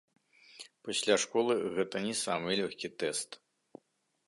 Пасля школы гэта не самы лёгкі тэст.